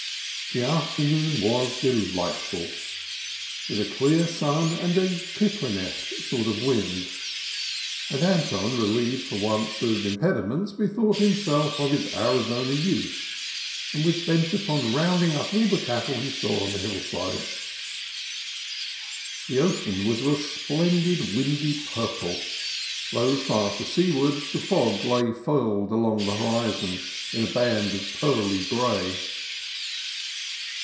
The afternoon was delightful, with a clear sun and a Kiplingesque sort of wind ; and Anton, relieved for once of impedi ments, bethought himself of his Arizona youth, and was bent upon rounding up all the cattle he saw on the hillsides. The ocean was of a splendid, windy purple, though far to seaward the fog lay furled along the horizon in a band of pearly gray.